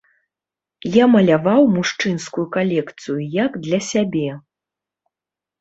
Я маляваў мужчынскую калекцыю як для сябе.